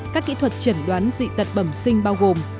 các kỹ thuật chẩn đoán dị tật bẩm sinh bao gồm